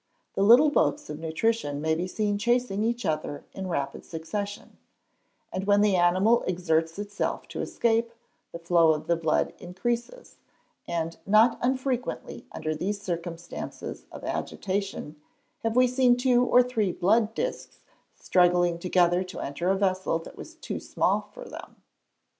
The little boats of nutrition may be seen chasing each other in rapid succession, and when the animal exerts itself to escape, the flow of the blood increases; and not unfrequently, under these circumstances of agitation, have we seen two or three blood discs struggling together to enter a vessel that was too small for them.